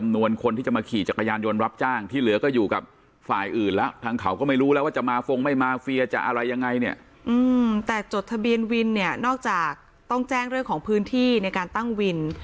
นอกจากต้องแจ้งเรื่องของพื้นที่ในการตั้งวิน